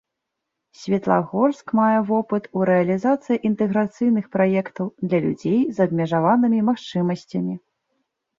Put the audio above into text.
Светлагорск мае вопыт у рэалізацыі інтэграцыйных праектаў для людзей з абмежаванымі магчымасцямі.